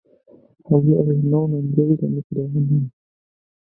Avui a les nou no engeguis el microones.